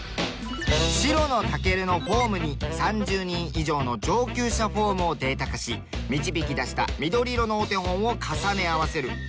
白のたけるのフォームに３０人以上の上級者フォームをデータ化し導き出した緑色のお手本を重ね合わせる。